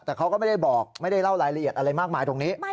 แต่เขาก็ไม่ได้บอกไม่ได้เล่ารายละเอียดอะไรมากมายตรงนี้